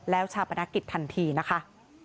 แล้วชาปนกิจทันทีนะคะ